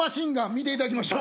見ていただきましょう。